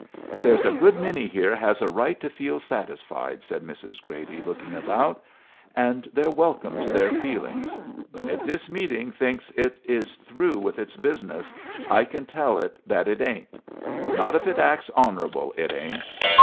"There's a good many here has a right to feel satisfied," said Mrs. Grady, looking about, "and they're welcome to their feelings. But if this meeting thinks it is through with its business, I can tell it that it ain't not if it acts honorable, it ain't.